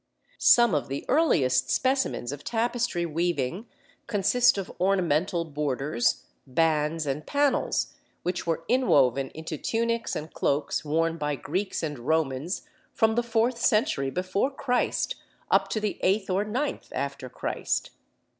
Some of the earliest specimens of tapestry weaving consist of ornamental borders, bands, and panels, which were inwoven into tunics and cloaks worn by Greeks and Romans from the fourth century before Christ, up to the eighth or ninth after Christ.